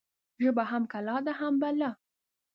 ژبه هم کلا ده هم بلا.